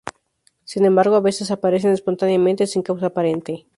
Sin embargo, a veces aparecen espontáneamente sin causa aparente.